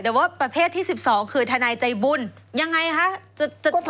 แต่ว่าประเภทที่๑๒คือทนายใจบุญยังไงคะ